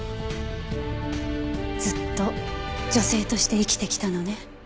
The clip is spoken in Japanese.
ずっと女性として生きてきたのね。